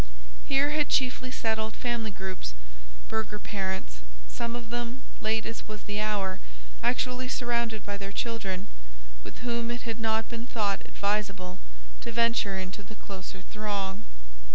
Here had chiefly settled family groups, burgher parents; some of them, late as was the hour, actually surrounded by their children, with whom it had not been thought advisable to venture into the closer throng.